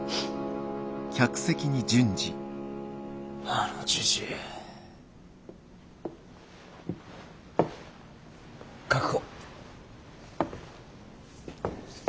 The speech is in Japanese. あのじじい。確保。